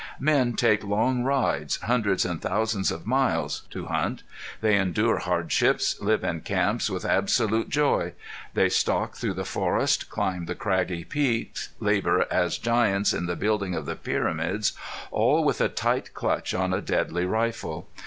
Men take long rides, hundreds and thousands of miles, to hunt. They endure hardships, live in camps with absolute joy. They stalk through the forest, climb the craggy peaks, labor as giants in the building of the pyramids, all with a tight clutch on a deadly rifle.